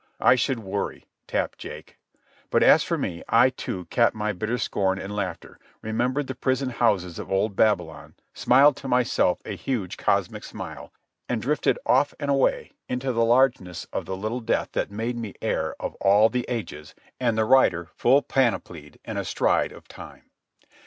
"I should worry," tapped Jake. And as for me, I too capped my bitter scorn and laughter, remembered the prison houses of old Babylon, smiled to myself a huge cosmic smile, and drifted off and away into the largeness of the little death that made me heir of all the ages and the rider full panoplied and astride of time.